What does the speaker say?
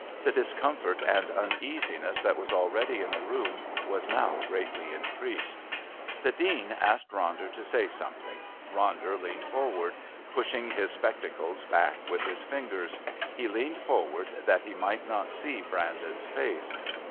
The discomfort and uneasiness that was already in the room was now greatly increased. The Dean asked Ronder to say something. Ronder leaned forward, pushing his spectacles back with his fingers. He leaned forward that he might not see Brandon's face.